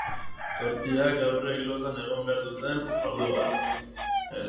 Zortziak, haurrek lotan egon behar duten ordua.